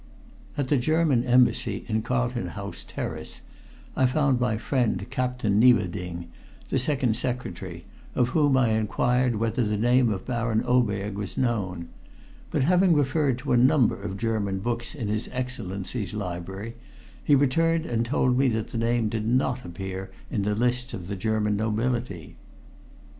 At the German Embassy, in Carlton House Terrace, I found my friend Captain Nieberding, the second secretary, of whom I inquired whether the name of Baron Oberg was known, but having referred to a number of German books in his Excellency's library, he returned and told me that the name did not appear in the lists of the German nobility.